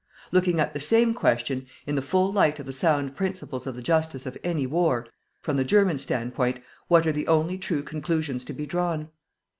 Looking at the same question, in the full light of the sound principles of the justice of any war, from the German standpoint, what are the only true conclusions to be drawn?